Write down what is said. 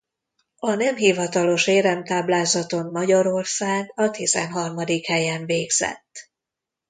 A nem hivatalos éremtáblázaton Magyarország a tizenharmadik helyen végzett.